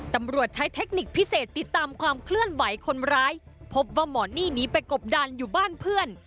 ตำรวจใช้เทคนิคพิเศษติดตามความเคลื่อนไหวคนร้ายพบว่าหมอนี่หนีไปกบดันอยู่บ้านเพื่อน